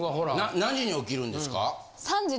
何時に起きるんですか？